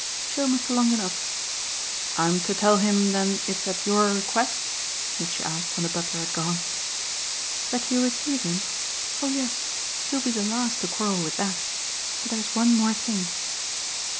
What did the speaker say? "Show Mr. Longdon up." "I'm to tell him then it's at your request?" Mitchy asked when the butler had gone. "That you receive him? Oh yes. He'll be the last to quarrel with that. But there's one more thing."